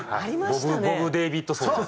ボブ・デービッドソン。